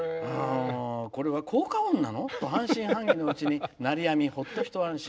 「これは効果音なの？と半信半疑のうちに鳴り止み、ほっと一安心。